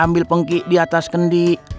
ambil penggi di atas kendi ambil penggi di atas kendi